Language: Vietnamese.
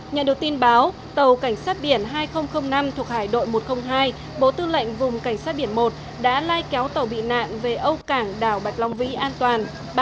nhận được tin báo tàu cảnh sát biển hai nghìn năm thuộc hải đội một trăm linh hai bộ tư lệnh vùng cảnh sát biển một đã lai kéo tàu bị nạn về âu cảng đảo bạch long vĩ an toàn bàn giao cho đồn biên phòng sửa chữa